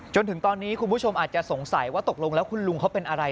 จนถึงตอนนี้คุณผู้ชมอาจจะสงสัยว่าตกลงแล้วคุณลุงเขาเป็นอะไร